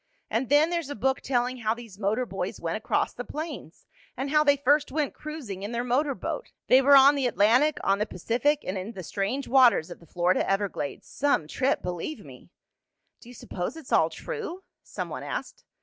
And then there's a book telling how these motor boys went across the plains, and how they first went cruising in their motor boat. They were on the Atlantic, on the Pacific, and in the strange waters of the Florida Everglades. Some trip, believe me!" "Do you s'pose it's all true?" some one asked.